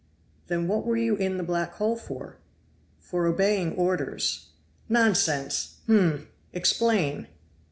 "Then what were you in the black hole for?" "For obeying orders." "Nonsense! hum! Explain."